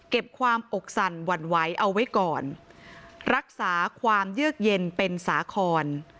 ความอกสั่นหวั่นไหวเอาไว้ก่อนรักษาความเยือกเย็นเป็นสาคร